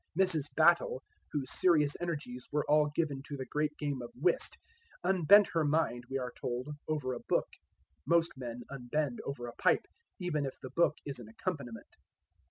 Mrs. Battle, whose serious energies were all given to the great game of whist, unbent her mind, we are told, over a book. Most men unbend over a pipe, even if the book is an accompaniment.